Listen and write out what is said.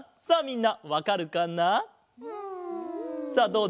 さあみんなわかるかな？